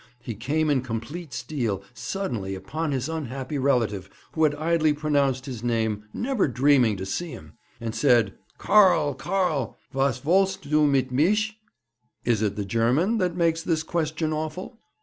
He came in complete steel, suddenly, upon his unhappy relative, who had idly pronounced his name, never dreaming to see him, and said: "Karl, Karl, was wollst du mit mich?" Is it the German that makes this question awful?'